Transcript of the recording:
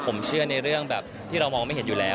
ผมเชื่อในเรื่องแบบที่เรามองไม่เห็นอยู่แล้ว